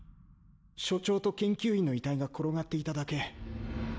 所長と研究員の遺体が転がっていただけ。